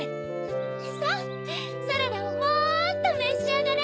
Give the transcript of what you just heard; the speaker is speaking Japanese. さぁサラダをもっとめしあがれ！